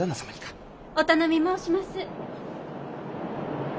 お頼み申します。